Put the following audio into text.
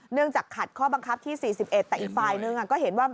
จากขัดข้อบังคับที่๔๑แต่อีกฝ่ายนึงก็เห็นว่า